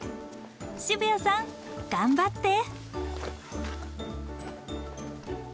渋谷さん頑張って！